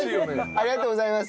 ありがとうございます。